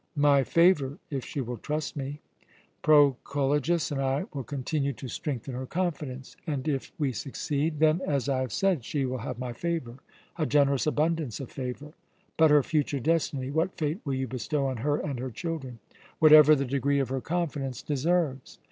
"My favour, if she will trust me." "Proculejus and I will continue to strengthen her confidence. And if we succeed ?" "Then, as I have said, she will have my favour a generous abundance of favour." "But her future destiny? What fate will you bestow on her and her children?" "Whatever the degree of her confidence deserves."